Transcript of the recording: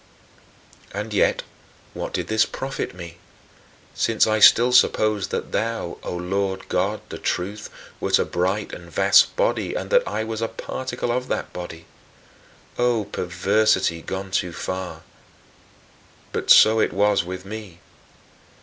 31. And yet what did this profit me, since I still supposed that thou, O Lord God, the Truth, wert a bright and vast body and that I was a particle of that body? O perversity gone too far! But so it was with me.